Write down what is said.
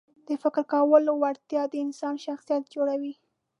د فکر کولو وړتیا د انسان شخصیت جوړوي.